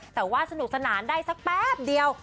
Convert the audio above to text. แต่ว่าสนุกสนานได้สักแป๊บเดียว